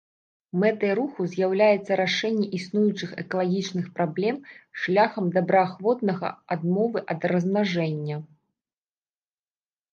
Мэтай руху з'яўляецца рашэнне існуючых экалагічных праблем шляхам добраахвотнага адмовы ад размнажэння.